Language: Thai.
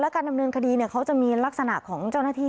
การดำเนินคดีเขาจะมีลักษณะของเจ้าหน้าที่